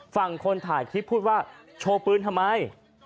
ฝั่งคนถ่ายคลิปพูดว่าโชว์ปืนทำไม